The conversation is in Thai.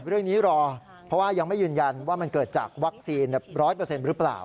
รอเพราะว่ายังไม่ยืนยันว่ามันเกิดจากวัคซีน๑๐๐หรือเปล่า